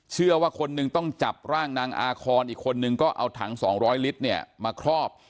เชื่อว่าคนนึงต้องจับร่างนางอาคอนอีกคนนึงก็เอาถัง๒๐๐ลิตรเนี่ยมาครอบ